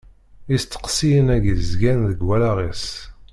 Isteqsiyen-agi zgan deg wallaɣ-is.